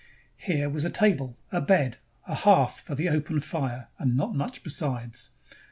Here were a table, a bed, a hearth for the open fire, and not much besides.